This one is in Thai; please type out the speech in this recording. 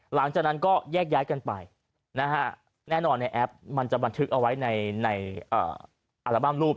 หลังจากนั้นก็แยกย้ายกันไปนะฮะแน่นอนในแอปมันจะบันทึกเอาไว้ในอัลบั้มรูป